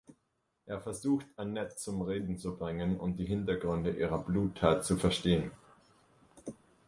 Er versucht Annette zum Reden zu bringen und die Hintergründe ihrer Bluttat zu verstehen.